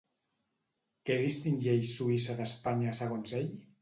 Què distingeix Suïssa d'Espanya, segons ell?